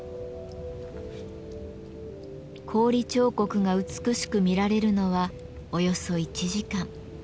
氷彫刻が美しく見られるのはおよそ１時間。